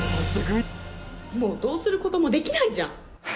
もう、どうすることもできないじゃん。